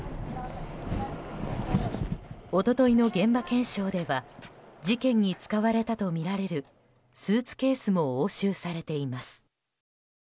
一昨日の現場検証では事件に使われたとみられるスーツケースも押収されています。